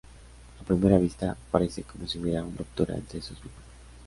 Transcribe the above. A primera vista, parece como si hubiera una ruptura entre sus vínculos.